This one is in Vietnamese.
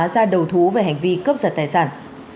ra đầu thú về hành vi cướp giật tài sản